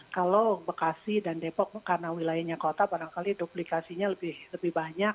kalau bekasi dan depok karena wilayahnya kota barangkali duplikasinya lebih banyak